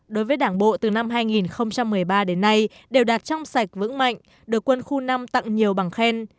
đối với đảng bộ từ năm hai nghìn một mươi ba đến nay đều đạt trong sạch vững mạnh được quân khu năm tặng nhiều bằng khen